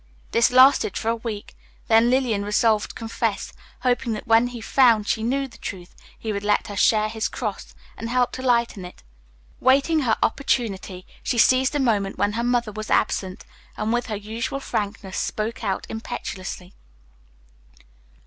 This lasted for a week, then Lillian resolved to confess, hoping that when he found she knew the truth he would let her share his cross and help to lighten it. Waiting her opportunity, she seized a moment when her mother was absent, and with her usual frankness spoke out impetuously.